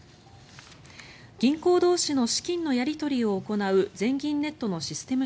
銀行同士の資金のやり取りを行う全銀ネットのシステム